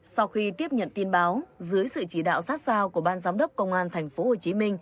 sau khi tiếp nhận tin báo dưới sự chỉ đạo sát sao của ban giám đốc công an tp hcm